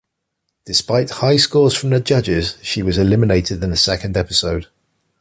Despite high scores from the judges she was eliminated in the second episode.